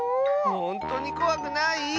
ほんとにこわくない？